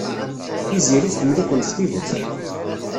Tiziri tḥemmel-iken s tidet.